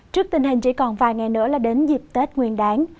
trước tình hình chỉ còn vài ngày nữa là đến dịp tết nguyên đáng